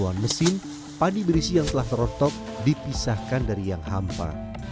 tanpa bantuan mesin padi berisi yang telah terontok dipisahkan dari yang hampa